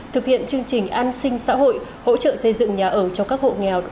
thực hiện chương trình an sinh xã hội hỗ trợ xây dựng nhà ở cho các hộ nghèo